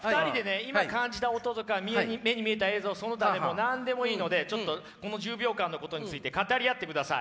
今感じた音とか目に見えた映像その他でも何でもいいのでちょっとこの１０秒間のことについて語り合ってください。